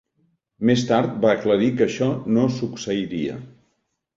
Més tard, va aclarir que això no succeiria.